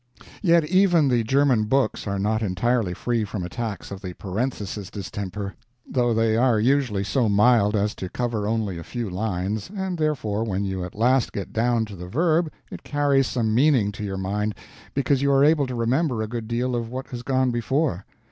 Yet even the German books are not entirely free from attacks of the Parenthesis distemper though they are usually so mild as to cover only a few lines, and therefore when you at last get down to the verb it carries some meaning to your mind because you are able to remember a good deal of what has gone before.